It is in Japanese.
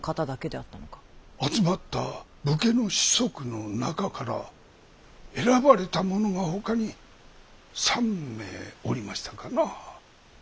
集まった武家の子息の中から選ばれた者がほかに３名おりましたかな。